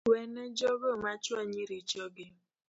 Wene jogo machuanyi richogi